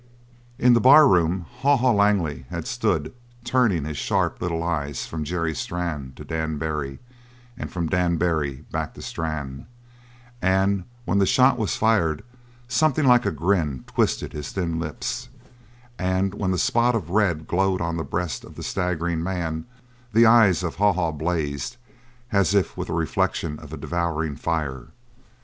In the barroom Haw Haw Langley had stood turning his sharp little eyes from Jerry Strann to Dan Barry, and from Dan Barry back to Strann; and when the shot was fired something like a grin twisted his thin lips; and when the spot of red glowed on the breast of the staggering man, the eyes of Haw Haw blazed as if with the reflection of a devouring fire.